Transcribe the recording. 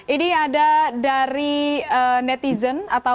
ini ada dari netizen atau